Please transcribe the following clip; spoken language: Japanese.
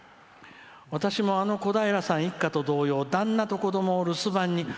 「私も、あのこひらさん一家と同様に旦那と子どもを留守番に」。